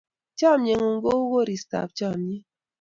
Chamyengung ko u koristap chamyet